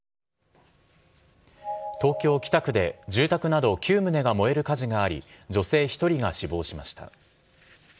東京・北区で住宅など９棟が燃える火事があり、女性１人が死亡しました。